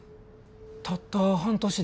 たった半年で？